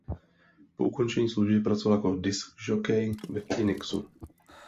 Po ukončení služby pracoval jako diskžokej ve Phoenixu.